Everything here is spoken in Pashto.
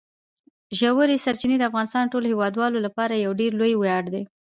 ژورې سرچینې د افغانستان د ټولو هیوادوالو لپاره یو ډېر لوی ویاړ دی.